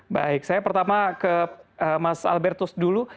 baik saya pertama ke mas albertus dulu